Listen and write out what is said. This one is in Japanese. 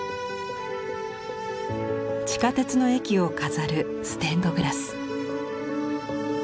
地下鉄の駅を飾るステンドグラス。